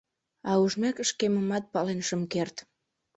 А ужмек, шкемымат пален шым керт.